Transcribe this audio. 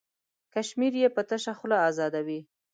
کشمیر یې په تشه خوله ازادوي.